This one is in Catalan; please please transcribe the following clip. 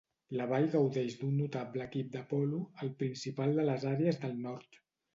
La vall gaudeix d'un notable equip de polo, el principal de les Àrees del Nord.